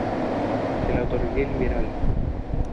se la otorgué liberal.